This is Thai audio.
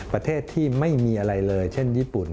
ประเทศที่ไม่มีอะไรเลยเช่นญี่ปุ่น